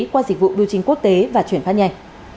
qua dịch vụ biểu chính quốc tế và chuyển phát nhanh